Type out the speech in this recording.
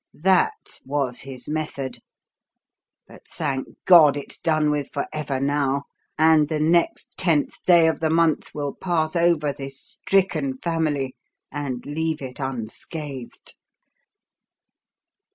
That was his method. But thank God it's done with for ever now, and the next tenth day of the month will pass over this stricken family and leave it unscathed!"